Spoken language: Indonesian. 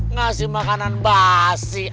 ngasih makanan basi